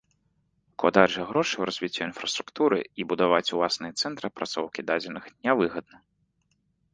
Укладаць жа грошы ў развіццё інфраструктуры і будаваць уласныя цэнтры апрацоўкі дадзеных нявыгадна.